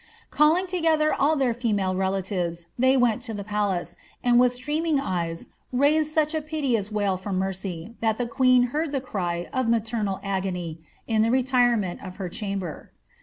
Calling t<^ther all their female relatives, they went lo the palace, and with streaming eyes raised such a piteous wail for mercy, that the queen heard the cry of maternal agony in the retirement of her chamber.